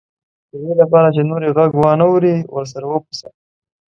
د دې لپاره چې نور یې غږ وانه وري ورسره وپسه.